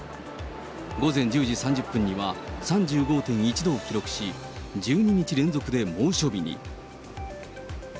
午前１０時３０分には３５．１度を記録し、１２日連続で猛暑日に。